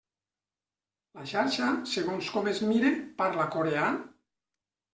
La xarxa, segons com es mire, parla coreà?